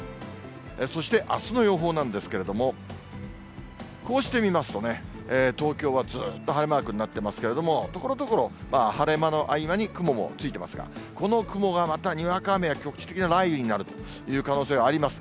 そして、あすの予報なんですけれども、こうして見ますと、東京はずーっと晴れマークになってますけれども、ところどころ、晴れ間の合間に雲もついてますから、この雲がまたにわか雨や局地的な雷雨になるという可能性はあります。